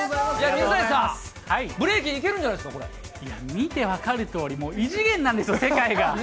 水谷さん、ブレイキン、いや、見て分かるとおり、異次元なんですよ、世界が。